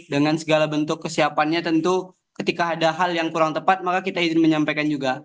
dengan segala bentuk kesiapannya tentu ketika ada hal yang kurang tepat maka kita ingin menyampaikan juga